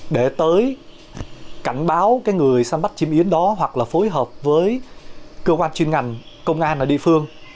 để tới cảnh báo người săn bắt chim yến đó hoặc là phối hợp với cơ quan chuyên ngành công an ở địa phương